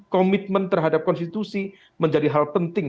komitmen terhadap konstitusi menjadi hal penting